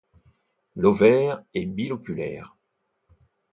L'ovaire est biloculaire.